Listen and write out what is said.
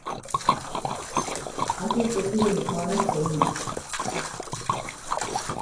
あせってすぐに買わなくていい